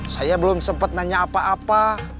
saya belum sempat nanya apa apa